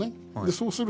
そうすると。